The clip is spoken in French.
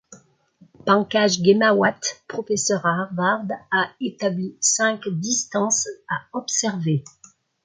Pankaj Ghemawat, professeur à Harvard, a établi cinq distances à observer.